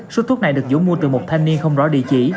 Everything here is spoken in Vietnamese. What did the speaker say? số thuốc này được dũng mua từ một thanh niên không rõ địa chỉ